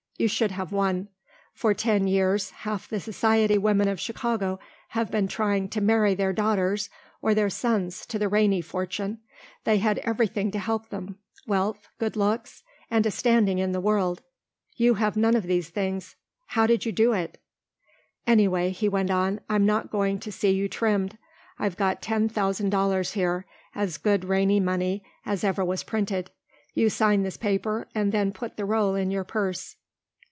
You should have won. For ten years half the society women of Chicago have been trying to marry their daughters or their sons to the Rainey fortune. They had everything to help them, wealth, good looks, and a standing in the world. You have none of these things. How did you do it? "Anyway," he went on, "I'm not going to see you trimmed. I've got ten thousand dollars here, as good Rainey money as ever was printed. You sign this paper and then put the roll in your purse."